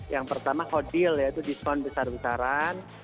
yang pertama hot deal yaitu diskon besar besaran